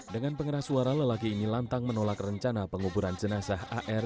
dengan pengeras suara lelaki ini lantang menolak rencana penguburan jenazah ar